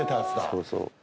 そうそう。